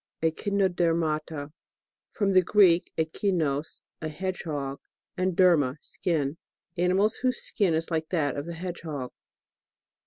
(See page 96.) ECHINODERMATA. From the Greek, echinos, a hedgehog, and derma, skin. Animals whose skin is like that of the hedgehog.